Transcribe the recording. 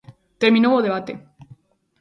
Terminou o debate.